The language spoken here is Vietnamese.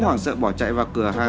không nói nào còn em